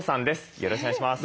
よろしくお願いします。